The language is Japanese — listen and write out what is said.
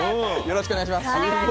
よろしくお願いします。